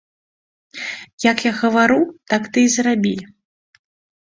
Як я гавару, так ты і зрабі.